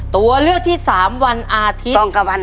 ตัวเลือกที่๓วันอาทิตย์